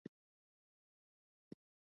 څوک غواړي چې په خپل ژوند کې سوکاله و اوسي